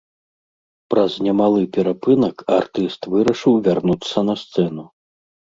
Праз немалы перапынак артыст вырашыў вярнуцца на сцэну.